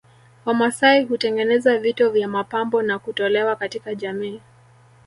Wamasai hutengeneza vito vya mapambo na kutolewa katika jamii